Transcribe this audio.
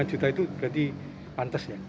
rp satu ratus lima juta itu berarti pantas ya